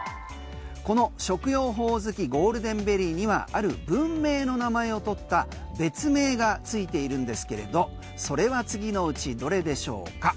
この食用ホオズキゴールデンベリーにはある文明の名前を取った別名が付いているんですけれどそれは次のうちどれでしょうか？